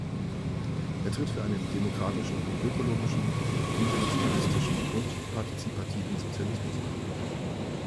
Er tritt für einen demokratischen, ökologischen, internationalistischen und partizipativen Sozialismus ein.